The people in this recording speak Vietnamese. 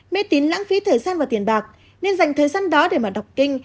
mê tín lãng phí thời gian và tiền bạc nên dành thời gian đó để mà đọc kinh